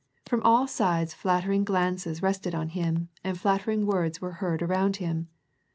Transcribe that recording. From all sides flattering glances rested on him and flattering words were heard around him.